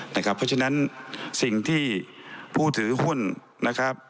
เพราะฉะนั้นสิ่งที่ผู้ถือหุ้นนะครับ